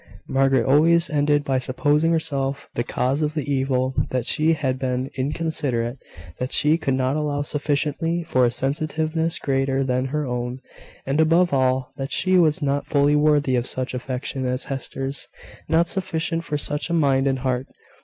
Margaret always ended by supposing herself the cause of the evil; that she had been inconsiderate; that she could not allow sufficiently for a sensitiveness greater than her own; and above all, that she was not fully worthy of such affection as Hester's not sufficient for such a mind and heart.